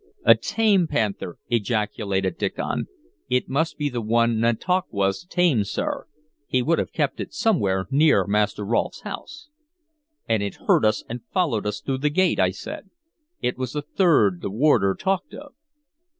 "A tame panther!" ejaculated Diccon. "It must be the one Nantauquas tamed, sir. He would have kept it somewhere near Master Rolfe's house." "And it heard us, and followed us through the gate," I said. "It was the third the warder talked of."